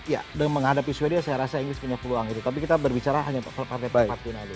iya dengan menghadapi sweden saya rasa inggris punya peluang itu tapi kita berbicara hanya per partai partai ini